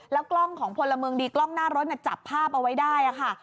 กล้องของพลเมืองดีกล้องหน้ารถจับภาพเอาไว้ได้ค่ะ